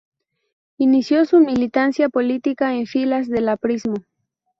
Inició su militancia política en filas del aprismo.